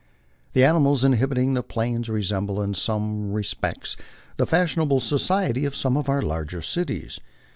The animals inhabiting the Plains resemble in some respects the fashionable society of some of our larger cities.